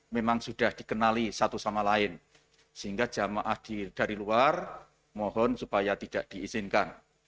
memang sudah dikenali satu sama lain sehingga jamaah dari luar mohon supaya tidak diizinkan